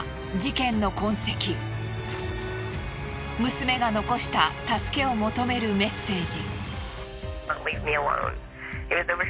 娘が残した助けを求めるメッセージ。